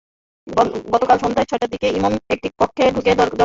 গতকাল সন্ধ্যা ছয়টার দিকে ইমন একটি কক্ষে ঢুকে দরজা বন্ধ করে দেয়।